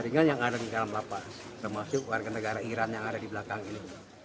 sehingga yang ada di dalam lapas termasuk warga negara iran yang ada di belakang ini